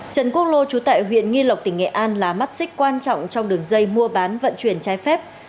trần quốc lô trú tại huyện nghi lộc tỉnh nghệ an là mắt xích quan trọng trong đường dây mua bán vận chuyển trái phép